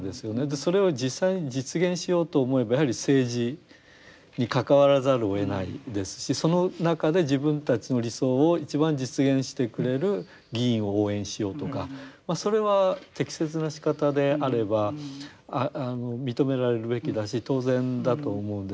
それを実際に実現しようと思えばやはり政治に関わらざるをえないですしその中で自分たちの理想を一番実現してくれる議員を応援しようとかまあそれは適切なしかたであれば認められるべきだし当然だと思うんです。